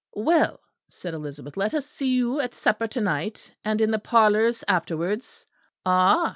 "Well," said Elizabeth, "let us see you at supper to night; and in the parlours afterwards. Ah!"